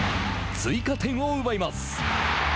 追加点を奪います。